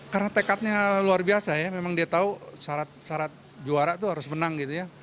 karena tekadnya luar biasa ya memang dia tahu syarat syarat juara itu harus menang gitu ya